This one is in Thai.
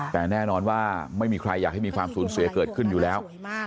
แต่แน่นอนว่าไม่มีใครอยากให้มีความสูญเสียเกิดขึ้นอยู่แล้ว